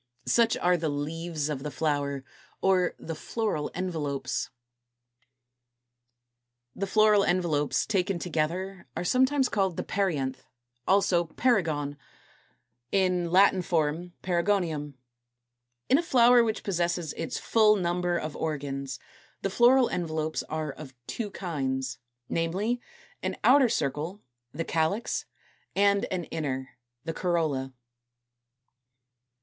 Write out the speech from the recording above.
Such are the leaves of the Flower, or the Floral Envelopes. 229. =The Floral Envelopes=, taken together, are sometimes called the PERIANTH, also Perigone, in Latin form Perigonium. In a flower which possesses its full number of organs, the floral envelopes are of two kinds, namely, an outer circle, the CALYX, and an inner, the COROLLA.